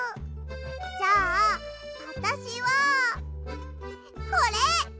じゃああたしはこれ！